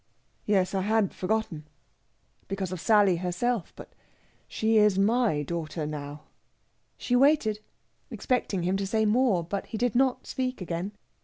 "Yes, I had forgotten, because of Sally herself; but she is my daughter now...." She waited, expecting him to say more; but he did not speak again.